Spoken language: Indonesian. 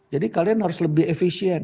jadi kalian harus lebih efisien